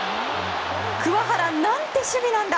桑原、なんて守備なんだ！